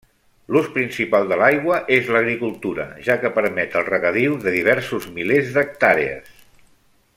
L'ús principal de l'aigua és l'agricultura, ja que permet el regadiu de diversos milers d'hectàrees.